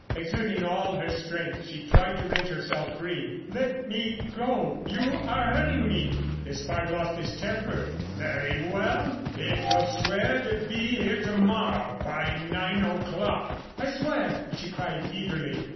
Exerting all her strength, she tried to wrench herself free. "Let me go—you are hurting me!" Her voice rose shrilly. Despard lost his temper. "Very well—if you'll swear to be here to morrow by nine o'clock!" "I swear!" she cried eagerly.